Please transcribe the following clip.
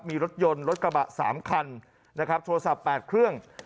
มีรถยนต์รถกระบะ๓คันนะครับโทรศัพท์๘เครื่อง